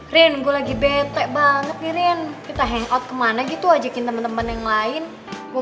rin gua lagi bete banget kirian kita hangout kemana gitu ajakin teman teman yang lain gua